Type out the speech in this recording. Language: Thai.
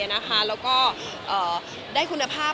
แล้วก็ได้คุณภาพ